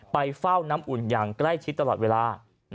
ไปเฝ้าน้ำอุ่นอย่างใกล้ชิดตลอดเวลา